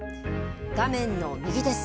画面の右です。